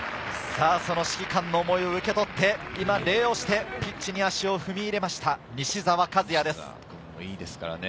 指揮官の思いを受け取って今、礼をして、ピッチに足を踏み入れました、西澤和哉です。